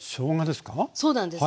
そうなんです。